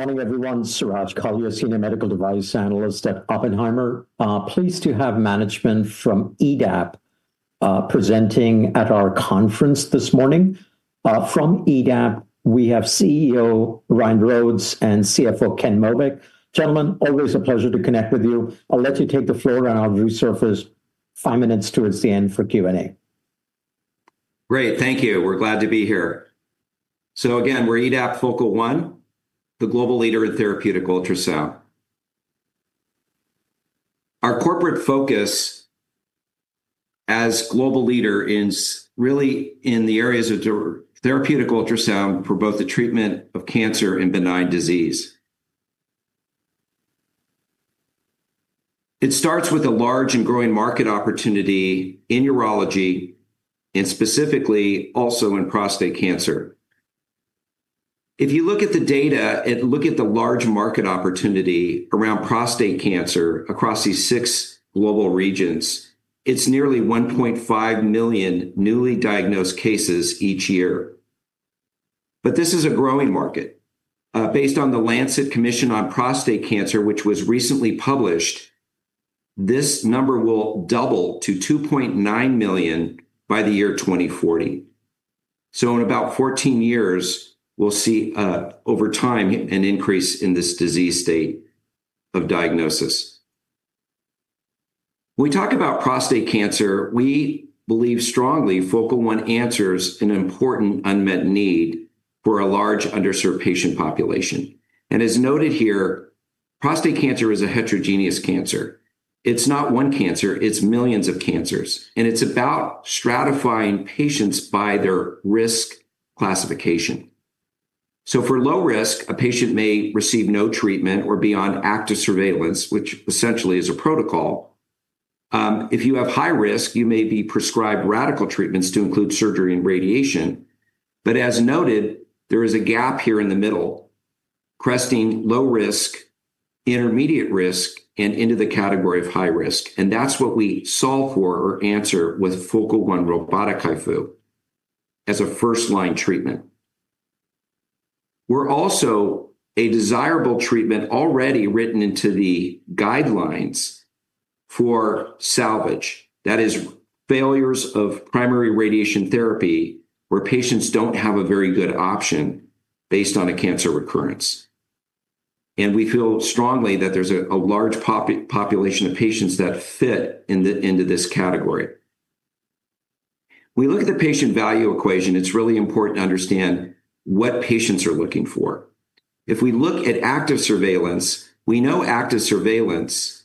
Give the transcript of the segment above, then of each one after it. Morning, everyone. Suraj Kalia, Senior Medical Device Analyst at Oppenheimer. Pleased to have management from EDAP presenting at our conference this morning. From EDAP, we have CEO Ryan Rhodes and CFO Ken Mobeck. Gentlemen, always a pleasure to connect with you. I'll let you take the floor, and I'll resurface five minutes towards the end for Q&A. Great. Thank you. We're glad to be here. Again, we're EDAP Focal One, the global leader in therapeutic ultrasound. Our corporate focus as global leader is really in the areas of therapeutic ultrasound for both the treatment of cancer and benign disease. It starts with a large and growing market opportunity in urology and specifically also in prostate cancer. If you look at the data and look at the large market opportunity around prostate cancer across these six global regions, it's nearly 1.5 million newly diagnosed cases each year. This is a growing market. Based on The Lancet Commission on Prostate Cancer, which was recently published, this number will double to 2.9 million by the year 2040. In about 14 years, we'll see, over time, an increase in this disease state of diagnosis. When we talk about prostate cancer, we believe strongly Focal One answers an important unmet need for a large underserved patient population. As noted here, prostate cancer is a heterogeneous cancer. It's not one cancer, it's millions of cancers, and it's about stratifying patients by their risk classification. For low risk, a patient may receive no treatment or be on active surveillance, which essentially is a protocol. If you have high risk, you may be prescribed radical treatments to include surgery and radiation. As noted, there is a gap here in the middle, crossing low risk, intermediate risk, and into the category of high risk. That's what we solve for or answer with Focal One robotic HIFU as a first-line treatment. We're also a desirable treatment already written into the guidelines for salvage. That is, failures of primary radiation therapy where patients don't have a very good option based on a cancer recurrence. We feel strongly that there's a large population of patients that fit into this category. We look at the patient value equation, it's really important to understand what patients are looking for. If we look at active surveillance, we know active surveillance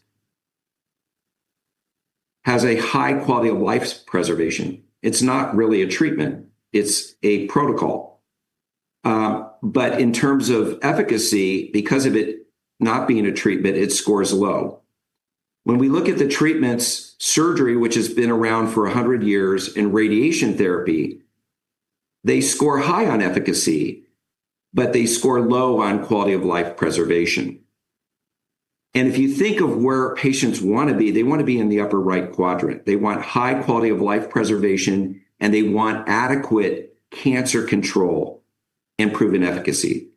has a high quality-of-life preservation. It's not really a treatment, it's a protocol. But in terms of efficacy, because of it not being a treatment, it scores low. When we look at the treatments, surgery, which has been around for 100 years, and radiation therapy, they score high on efficacy, but they score low on quality-of-life preservation. If you think of where patients want to be, they want to be in the upper right quadrant. They want high quality-of-life preservation, and they want adequate cancer control and proven efficacy.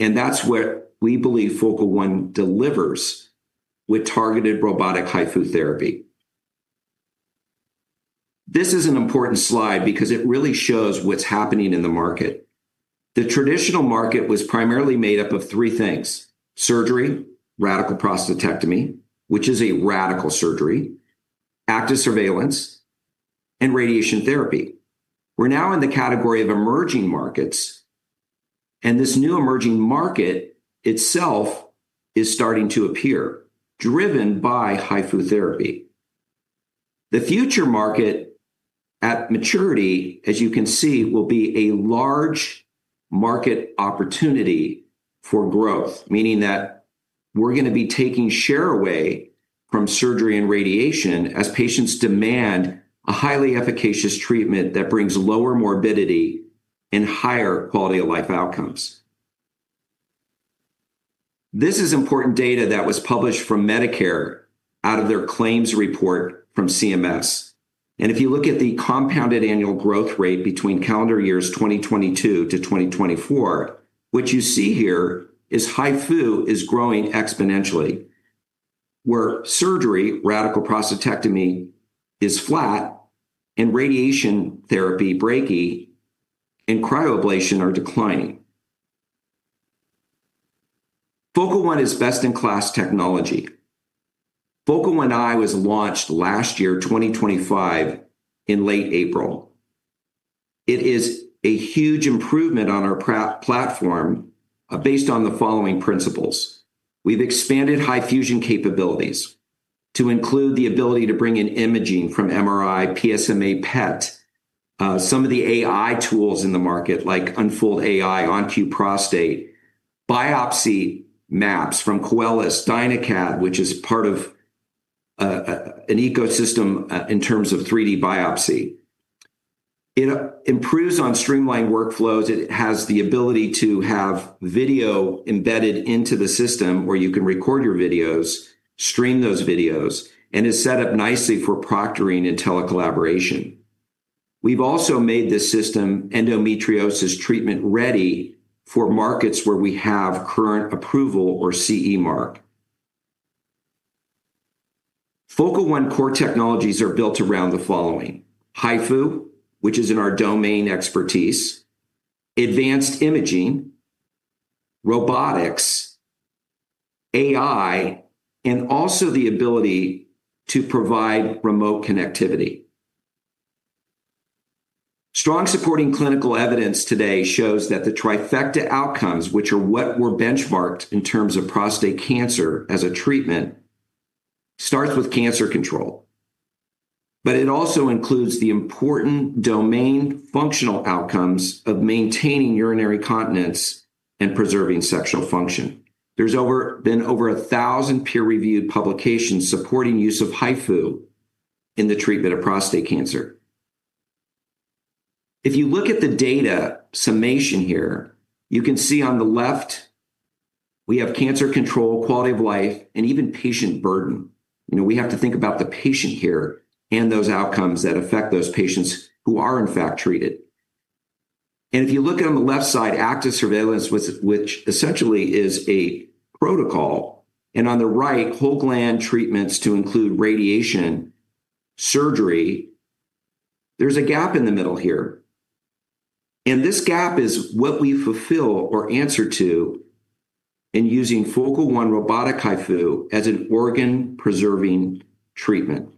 That's where we believe Focal One delivers with targeted Robotic HIFU therapy. This is an important slide because it really shows what's happening in the market. The traditional market was primarily made up of three things. Surgery, radical prostatectomy, which is a radical surgery, active surveillance, and radiation therapy. We're now in the category of emerging markets, and this new emerging market itself is starting to appear, driven by HIFU therapy. The future market at maturity, as you can see, will be a large market opportunity for growth, meaning that we're going to be taking share away from surgery and radiation as patients demand a highly efficacious treatment that brings lower morbidity and higher quality-of-life outcomes. This is important data that was published from Medicare out of their claims report from CMS. If you look at the compounded annual growth rate between calendar years 2022-2024, what you see here is HIFU is growing exponentially. Surgery, radical prostatectomy, is flat and radiation therapy, brachy, and cryoablation are declining. Focal One is best-in-class technology. Focal One i was launched last year, 2025, in late April. It is a huge improvement on our platform, based on the following principles. We've expanded fusion capabilities to include the ability to bring in imaging from MRI, PSMA, PET, some of the AI tools in the market like Unfold AI, Oncoferia Prostate, biopsy maps from Koelis, DynaCAD, which is part of an ecosystem in terms of 3D biopsy. It improves on streamlined workflows. It has the ability to have video embedded into the system where you can record your videos, stream those videos, and is set up nicely for proctoring and telecollaboration. We've also made this system endometriosis treatment ready for markets where we have current approval or CE mark. Focal One core technologies are built around the following, HIFU, which is in our domain expertise, advanced imaging, robotics, AI, and also the ability to provide remote connectivity. Strong supporting clinical evidence today shows that the trifecta outcomes, which are what were benchmarked in terms of prostate cancer as a treatment, starts with cancer control. It also includes the important domain functional outcomes of maintaining urinary continence and preserving sexual function. There's been over a thousand peer-reviewed publications supporting use of HIFU in the treatment of prostate cancer. If you look at the data summation here, you can see on the left, we have cancer control, quality of life, and even patient burden. You know, we have to think about the patient here and those outcomes that affect those patients who are in fact treated. If you look on the left side, active surveillance, which essentially is a protocol, and on the right, whole gland treatments to include radiation, surgery, there's a gap in the middle here. This gap is what we fulfill or answer to in using Focal One robotic HIFU as an organ-preserving treatment.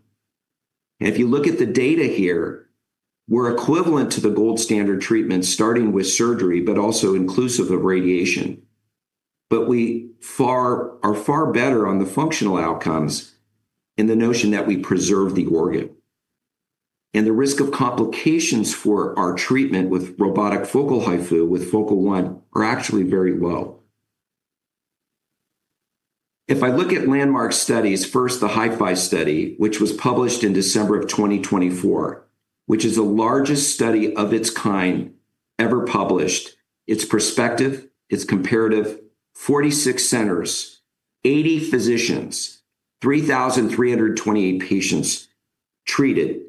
If you look at the data here, we're equivalent to the gold standard treatment starting with surgery, but also inclusive of radiation. We are far better on the functional outcomes in the notion that we preserve the organ. The risk of complications for our treatment with robotic focal HIFU with Focal One are actually very well. If I look at landmark studies, first the HIFI study, which was published in December of 2024, which is the largest study of its kind ever published. It's prospective, it's comparative, 46 centers, 80 physicians, 3,328 patients treated.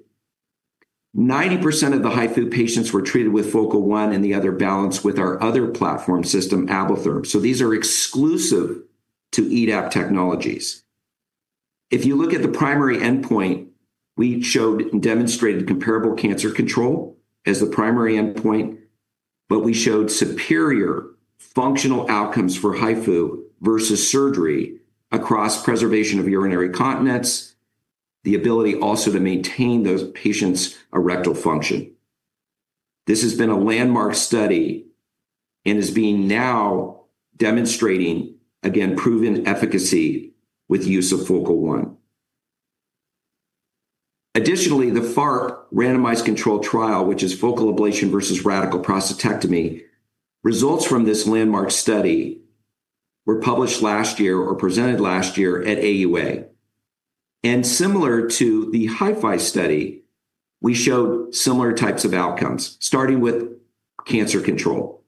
90% of the HIFU patients were treated with Focal One and the other balance with our other platform system, Ablatherm. So these are exclusive to EDAP TMS. If you look at the primary endpoint, we showed and demonstrated comparable cancer control as the primary endpoint, but we showed superior functional outcomes for HIFU versus surgery across preservation of urinary continence, the ability also to maintain those patients' erectile function. This has been a landmark study and is being now demonstrating, again, proven efficacy with use of Focal One. Additionally, the FARP randomized controlled trial, which is focal ablation versus radical prostatectomy, results from this landmark study were published last year or presented last year at AUA. Similar to the HIFI study, we showed similar types of outcomes, starting with cancer control.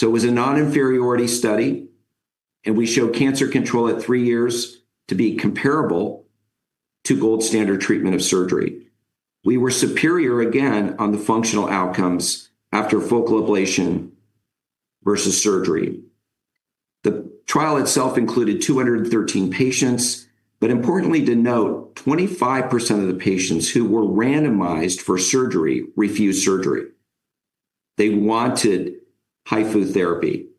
It was a non-inferiority study, and we showed cancer control at three years to be comparable to gold standard treatment of surgery. We were superior again on the functional outcomes after focal ablation versus surgery. The trial itself included 213 patients, but importantly to note, 25% of the patients who were randomized for surgery refused surgery. They wanted HIFU therapy.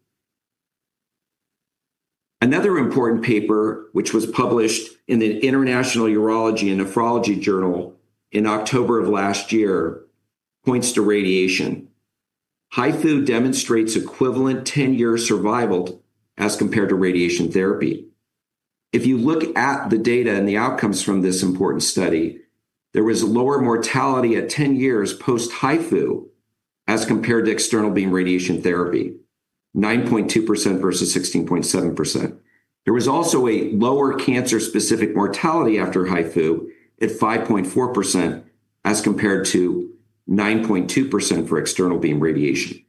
Another important paper, which was published in the International Urology and Nephrology Journal in October of last year, points to radiation. HIFU demonstrates equivalent 10-year survival as compared to radiation therapy. If you look at the data and the outcomes from this important study, there was lower mortality at 10 years post-HIFU as compared to external beam radiation therapy, 9.2% versus 16.7%. There was also a lower cancer-specific mortality after HIFU at 5.4% as compared to 9.2% for external beam radiation.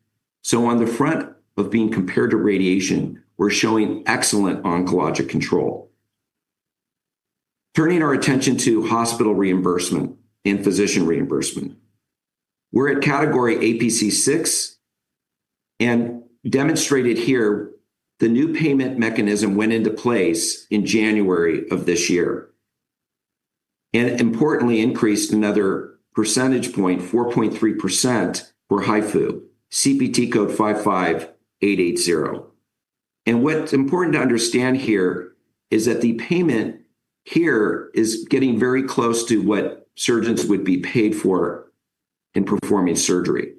On the front of being compared to radiation, we're showing excellent oncologic control. Turning our attention to hospital reimbursement and physician reimbursement, we're at category APC6 and demonstrated here the new payment mechanism went into place in January of this year and importantly increased another percentage point, 4.3%, for HIFU, CPT code 55880. What's important to understand here is that the payment here is getting very close to what surgeons would be paid for in performing surgery.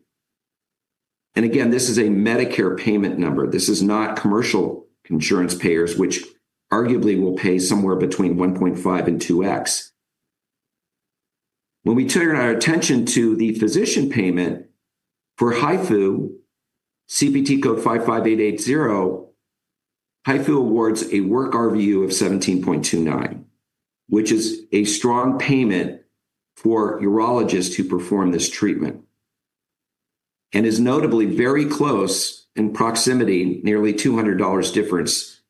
Again, this is a Medicare payment number. This is not commercial insurance payers, which arguably will pay somewhere between 1.5x-2x. When we turn our attention to the physician payment for HIFU, CPT code 55880, HIFU awards a work RVU of 17.29, which is a strong payment for urologists who perform this treatment. It is notably very close in proximity, nearly $200 difference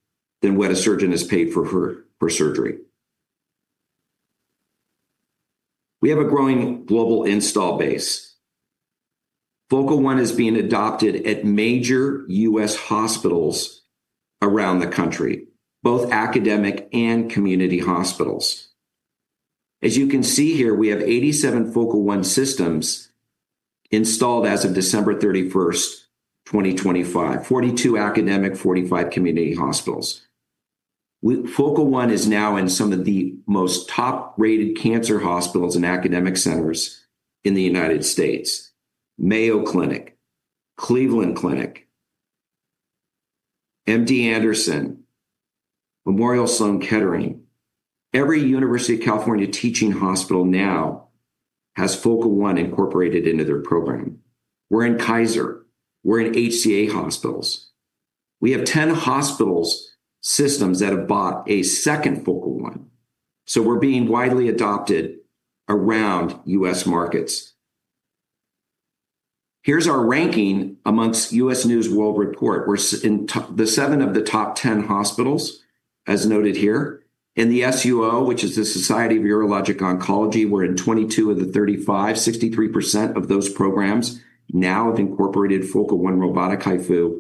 than what a surgeon is paid for surgery. We have a growing global installed base. Focal One is being adopted at major U.S. hospitals around the country, both academic and community hospitals. As you can see here, we have 87 Focal One systems installed as of December 31, 2025. 42 academic, 45 community hospitals. Focal One is now in some of the most top-rated cancer hospitals and academic centers in the United States. Mayo Clinic, Cleveland Clinic, MD Anderson, Memorial Sloan Kettering. Every University of California teaching hospital now has Focal One incorporated into their program. We're in Kaiser. We're in HCA hospitals. We have 10 hospital systems that have bought a second Focal One, so we're being widely adopted around U.S. markets. Here's our ranking among U.S. News & World Report. We're in 7 of the top 10 hospitals, as noted here. In the SUO, which is the Society of Urologic Oncology, we're in 22 of the 35. 63% of those programs now have incorporated Focal One Robotic HIFU,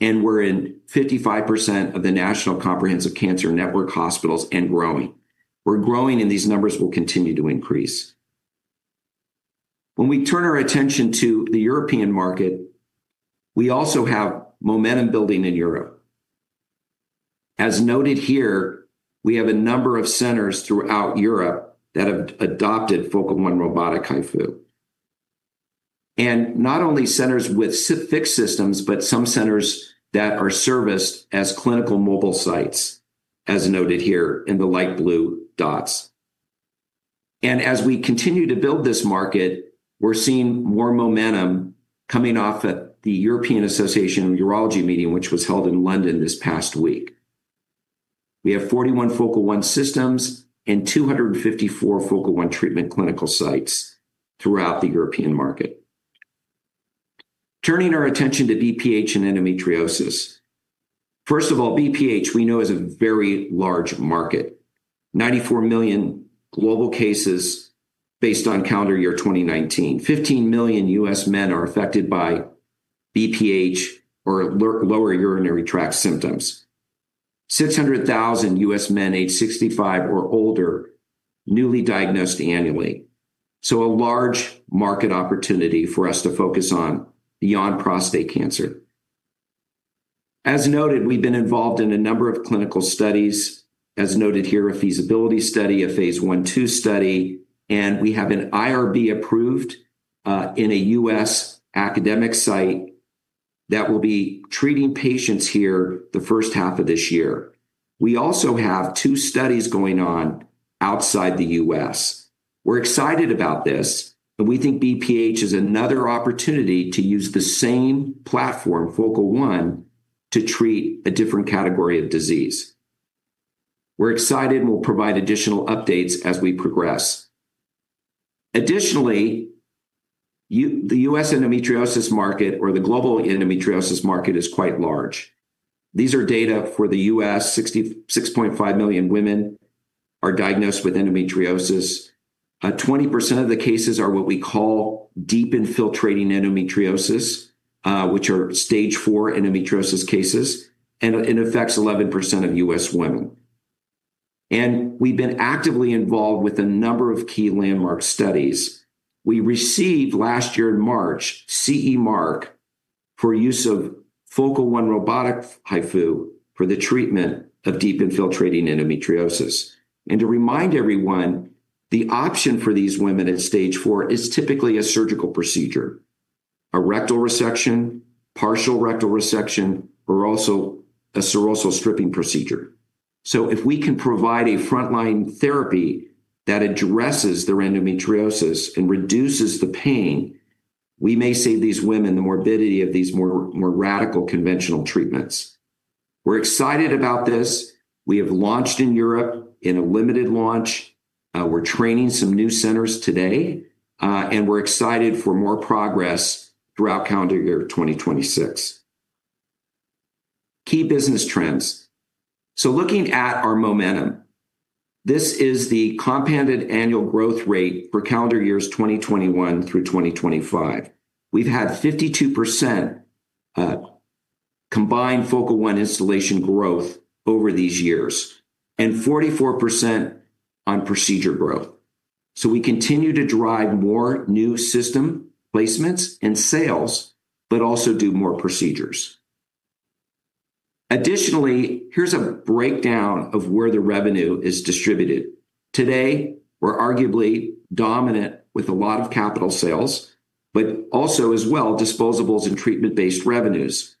and we're in 55% of the National Comprehensive Cancer Network hospitals and growing. We're growing, and these numbers will continue to increase. When we turn our attention to the European market, we also have momentum building in Europe. As noted here, we have a number of centers throughout Europe that have adopted Focal One Robotic HIFU. Not only centers with fixed systems, but some centers that are serviced as clinical mobile sites, as noted here in the light blue dots. As we continue to build this market, we're seeing more momentum coming off at the European Association of Urology meeting, which was held in London this past week. We have 41 Focal One systems and 254 Focal One treatment clinical sites throughout the European market. Turning our attention to BPH and endometriosis. First of all, BPH we know is a very large market. 94 million global cases based on calendar year 2019. 15 million U.S. men are affected by BPH or lower urinary tract symptoms. 600,000 U.S. men aged 65 or older newly diagnosed annually. A large market opportunity for us to focus on beyond prostate cancer. As noted, we've been involved in a number of clinical studies. As noted here, a feasibility study, a phase 1-2 study, and we have an IRB-approved in a U.S. academic site that will be treating patients here the first half of this year. We also have two studies going on outside the U.S. We're excited about this, and we think BPH is another opportunity to use the same platform, Focal One, to treat a different category of disease. We're excited and we'll provide additional updates as we progress. Additionally, the U.S. endometriosis market or the global endometriosis market is quite large. These are data for the U.S. 66.5 million women are diagnosed with endometriosis. 20% of the cases are what we call deep infiltrating endometriosis, which are stage 4 endometriosis cases, and it affects 11% of U.S. women. We've been actively involved with a number of key landmark studies. We received last year in March, CE mark for use of Focal One for the treatment of deep infiltrating endometriosis. To remind everyone, the option for these women at stage four is typically a surgical procedure, a rectal resection, partial rectal resection, or also a serosal stripping procedure. If we can provide a frontline therapy that addresses their endometriosis and reduces the pain, we may save these women the morbidity of these more radical conventional treatments. We're excited about this. We have launched in Europe in a limited launch. We're training some new centers today, and we're excited for more progress throughout calendar year 2026. Key business trends. Looking at our momentum, this is the compound annual growth rate for calendar years 2021 through 2025. We've had 52% combined Focal One installation growth over these years and 44% on procedure growth. We continue to drive more new system placements and sales, but also do more procedures. Additionally, here's a breakdown of where the revenue is distributed. Today, we're arguably dominant with a lot of capital sales, but also as well disposables and treatment-based revenues.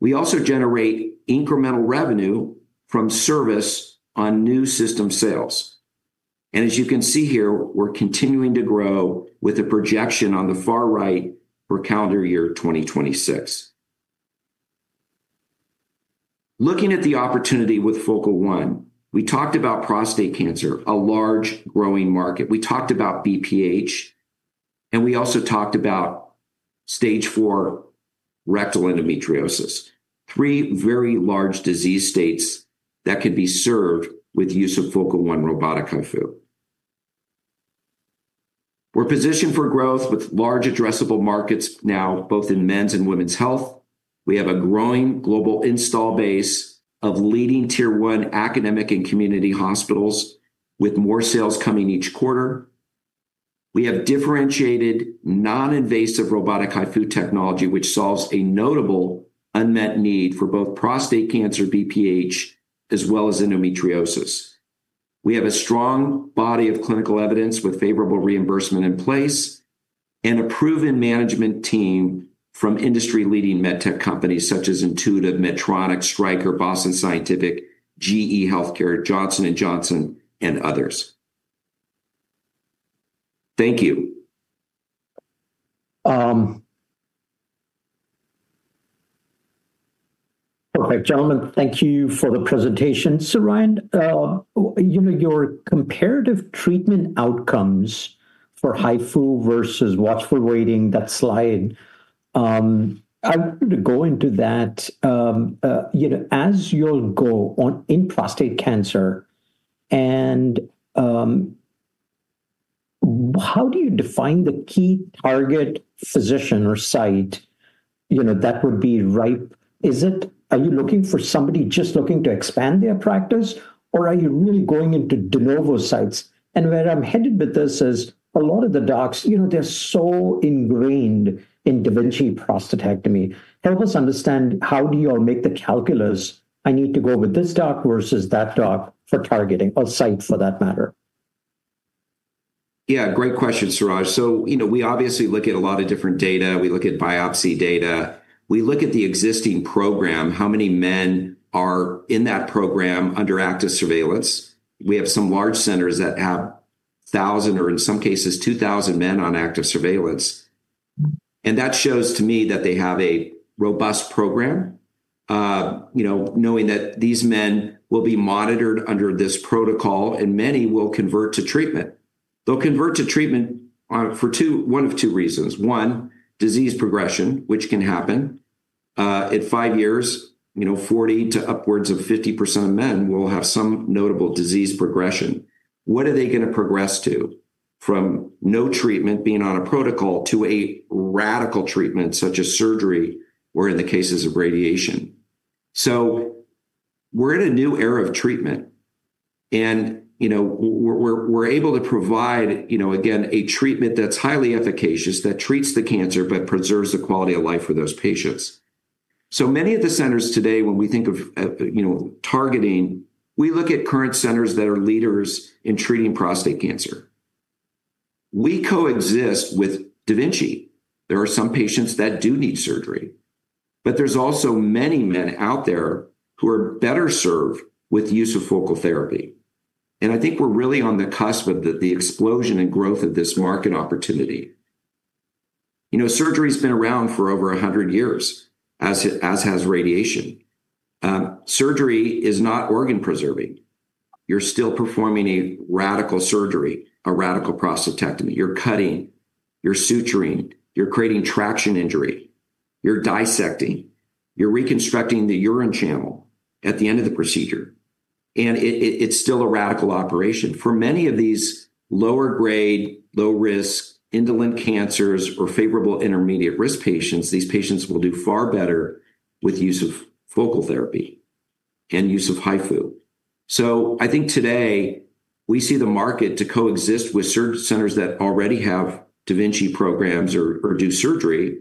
We also generate incremental revenue from service on new system sales. As you can see here, we're continuing to grow with a projection on the far right for calendar year 2026. Looking at the opportunity with Focal One, we talked about prostate cancer, a large growing market. We talked about BPH, and we also talked about stage 4 rectal endometriosis. 3 very large disease states that could be served with use of Focal One robotic HIFU. We're positioned for growth with large addressable markets now both in men's and women's health. We have a growing global install base of leading tier one academic and community hospitals with more sales coming each quarter. We have differentiated non-invasive robotic HIFU technology, which solves a notable unmet need for both prostate cancer, BPH, as well as endometriosis. We have a strong body of clinical evidence with favorable reimbursement in place, and a proven management team from industry-leading med tech companies such as Intuitive, Medtronic, Stryker, Boston Scientific, GE HealthCare, Johnson & Johnson, and others. Thank you. Okay. Gentlemen, thank you for the presentation. Ryan, you know, your comparative treatment outcomes for HIFU versus watchful waiting, that slide, I want to go into that. You know, as you go on in prostate cancer and, how do you define the key target physician or site, you know, that would be ripe? Are you looking for somebody just looking to expand their practice, or are you really going into de novo sites? Where I'm headed with this is a lot of the docs, you know, they're so ingrained in da Vinci prostatectomy. Help us understand how do you all make the calculus, "I need to go with this doc versus that doc for targeting or site for that matter. Yeah, great question, Suraj. So, you know, we obviously look at a lot of different data. We look at biopsy data. We look at the existing program. How many men are in that program under active surveillance? We have some large centers that have 1,000 or in some cases 2,000 men on active surveillance. That shows to me that they have a robust program, you know, knowing that these men will be monitored under this protocol, and many will convert to treatment. They'll convert to treatment for one of two reasons. One, disease progression, which can happen. At 5 years, you know, 40% to upwards of 50% of men will have some notable disease progression. What are they gonna progress to from no treatment being on a protocol to a radical treatment such as surgery or in the cases of radiation? We're in a new era of treatment, and, you know, we're able to provide, you know, again, a treatment that's highly efficacious that treats the cancer but preserves the quality of life for those patients. Many of the centers today when we think of, you know, targeting, we look at current centers that are leaders in treating prostate cancer. We coexist with da Vinci. There are some patients that do need surgery, but there's also many men out there who are better served with the use of focal therapy. I think we're really on the cusp of the explosion and growth of this market opportunity. You know, surgery's been around for over 100 years, as has radiation. Surgery is not organ preserving. You're still performing a radical surgery, a radical prostatectomy. You're cutting, you're suturing, you're creating traction injury, you're dissecting, you're reconstructing the urine channel at the end of the procedure, and it's still a radical operation. For many of these lower grade, low risk, indolent cancers or favorable intermediate risk patients, these patients will do far better with use of focal therapy and use of HIFU. I think today we see the market to coexist with surgery centers that already have da Vinci programs or do surgery,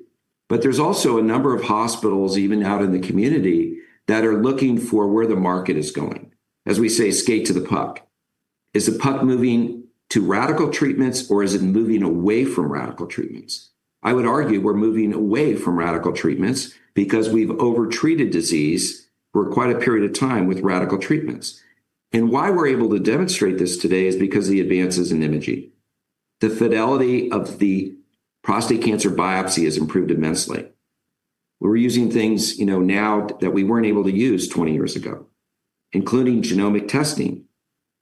but there's also a number of hospitals even out in the community that are looking for where the market is going. As we say, skate to the puck. Is the puck moving to radical treatments, or is it moving away from radical treatments? I would argue we're moving away from radical treatments because we've overtreated disease for quite a period of time with radical treatments. Why we're able to demonstrate this today is because the advances in imaging. The fidelity of the prostate cancer biopsy has improved immensely. We're using things, you know, now that we weren't able to use 20 years ago, including genomic testing,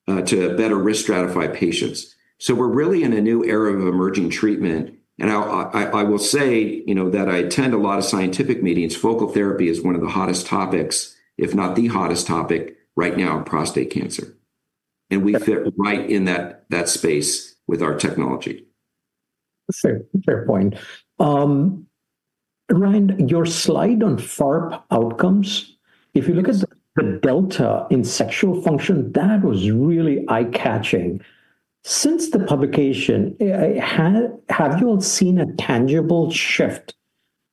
to better risk stratify patients. We're really in a new era of emerging treatment. I will say, you know, that I attend a lot of scientific meetings. Focal therapy is one of the hottest topics, if not the hottest topic right now in prostate cancer. We fit right in that space with our technology. Fair, fair point. Ryan, your slide on FARP outcomes, if you look at the delta in sexual function, that was really eye-catching. Since the publication, have you all seen a tangible shift,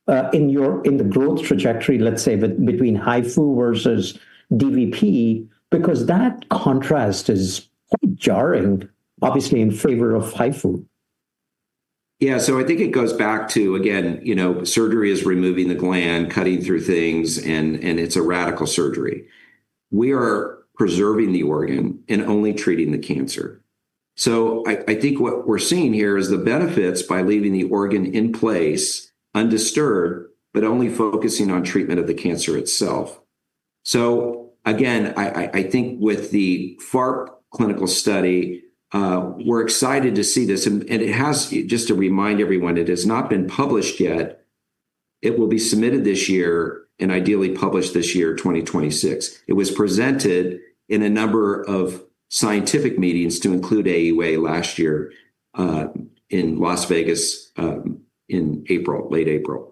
in the growth trajectory, let's say, between HIFU versus DVP? Because that contrast is quite jarring, obviously, in favor of HIFU. Yeah. I think it goes back to, again, you know, surgery is removing the gland, cutting through things, and it's a radical surgery. We are preserving the organ and only treating the cancer. I think what we're seeing here is the benefits by leaving the organ in place undisturbed, but only focusing on treatment of the cancer itself. I think with the FARP clinical study, we're excited to see this. Just to remind everyone, it has not been published yet. It will be submitted this year and ideally published this year, 2026. It was presented in a number of scientific meetings to include AUA last year in Las Vegas in April, late April.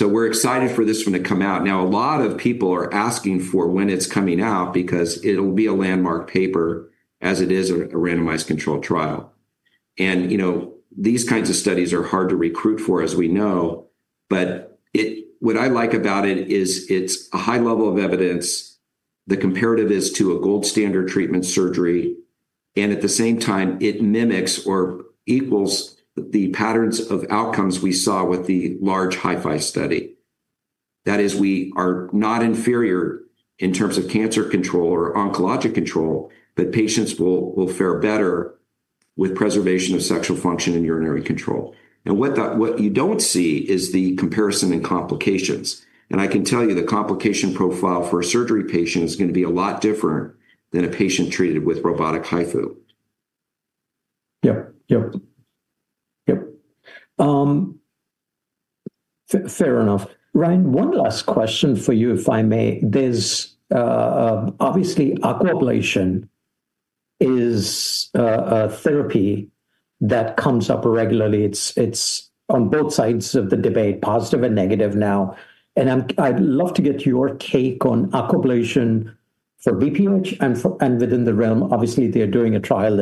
We're excited for this one to come out. Now, a lot of people are asking for when it's coming out because it'll be a landmark paper as it is a randomized controlled trial. You know, these kinds of studies are hard to recruit for, as we know. What I like about it is it's a high level of evidence. The comparative is to a gold standard treatment surgery, and at the same time, it mimics or equals the patterns of outcomes we saw with the large HIFI study. That is, we are not inferior in terms of cancer control or oncologic control, but patients will fare better with preservation of sexual function and urinary control. What you don't see is the comparison and complications. I can tell you the complication profile for a surgery patient is going to be a lot different than a patient treated with robotic HIFU. Yep. Fair enough. Ryan, one last question for you, if I may. There's obviously Aquablation is a therapy that comes up regularly. It's on both sides of the debate, positive and negative now, and I'd love to get your take on Aquablation for BPH and within the realm. Obviously, they're doing a trial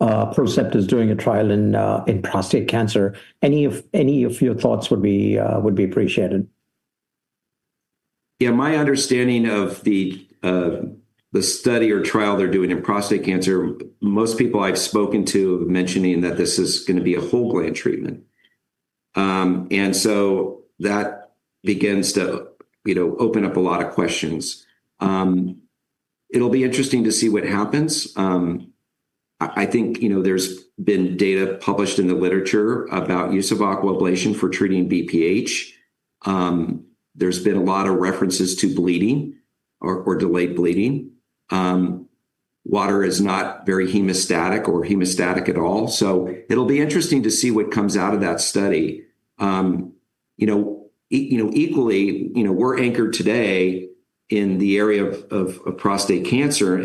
and PROCEPT is doing a trial in prostate cancer. Any of your thoughts would be appreciated. Yeah, my understanding of the study or trial they're doing in prostate cancer, most people I've spoken to mentioning that this is gonna be a whole gland treatment. That begins to, you know, open up a lot of questions. It'll be interesting to see what happens. I think, you know, there's been data published in the literature about use of Aquablation for treating BPH. There's been a lot of references to bleeding or delayed bleeding. Water is not very hemostatic at all. So it'll be interesting to see what comes out of that study. You know, equally, you know, we're anchored today in the area of prostate cancer.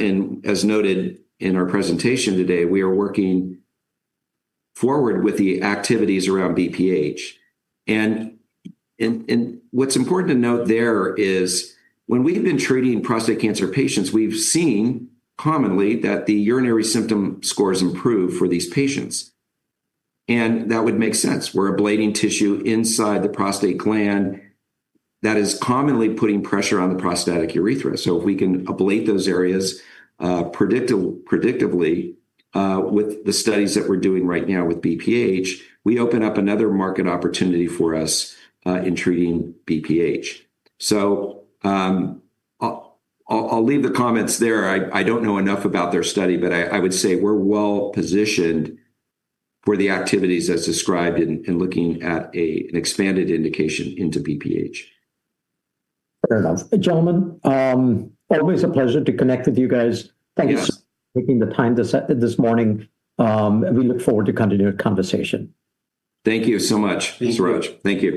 As noted in our presentation today, we are working forward with the activities around BPH. What's important to note there is when we've been treating prostate cancer patients, we've seen commonly that the urinary symptom scores improve for these patients, and that would make sense. We're ablating tissue inside the prostate gland that is commonly putting pressure on the prostatic urethra. If we can ablate those areas, predictably, with the studies that we're doing right now with BPH, we open up another market opportunity for us, in treating BPH. I'll leave the comments there. I don't know enough about their study, but I would say we're well positioned for the activities as described in looking at an expanded indication into BPH. Fair enough. Gentlemen, always a pleasure to connect with you guys. Yeah. Thank you for taking the time this morning. We look forward to continuing the conversation. Thank you so much, Suraj. Thank you. Thank you.